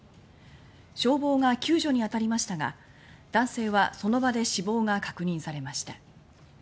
消防が救助に当たりましたが男性はその場で死亡が確認されました。